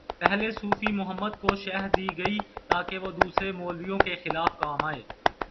پہلے صوفی محمد کو شہ دی گئی تاکہ وہ دوسرے مولویوں کے خلاف کام آئیں۔